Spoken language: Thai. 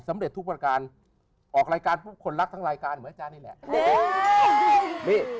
สำเร็จทุกวันการออกรายการคนรักทั้งรายการเหมือนอาจารย์นี่แหละ